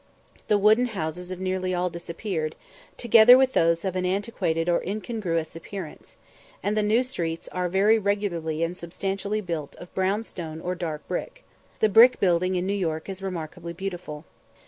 The wooden houses have nearly all disappeared, together with those of an antiquated or incongruous appearance; and the new streets are very regularly and substantially built of brown stone or dark brick. The brick building in New York is remarkably beautiful.